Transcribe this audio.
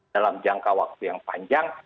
dalam jangka waktu yang panjang